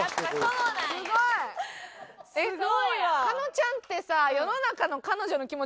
加納ちゃんってさ。